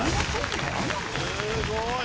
すごい！